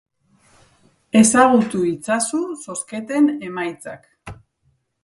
Ezagutu itzazu zozketen emaitzak.